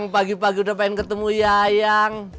pagi pagi udah pengen ketemu yayang